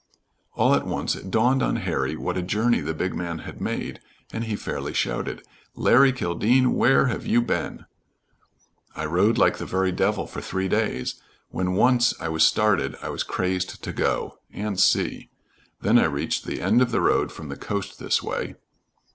All at once it dawned on Harry what a journey the big man had made, and he fairly shouted, "Larry Kildene, where have you been?" "I rode like the very devil for three days. When once I was started, I was crazed to go and see Then I reached the end of the road from the coast this way.